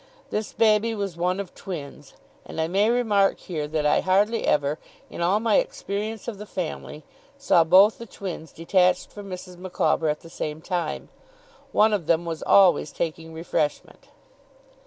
This baby was one of twins; and I may remark here that I hardly ever, in all my experience of the family, saw both the twins detached from Mrs. Micawber at the same time. One of them was always taking refreshment.